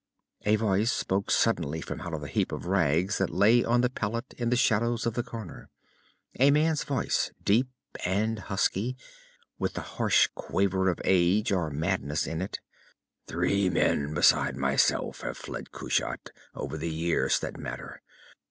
A voice spoke suddenly from out of the heap of rags that lay on the pallet in the shadows of the corner. A man's voice, deep and husky, with the harsh quaver of age or madness in it. "Three men beside myself have fled Kushat, over the years that matter.